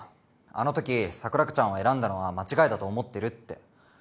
あのとき桜子ちゃんを選んだのは間違いだと思ってるって。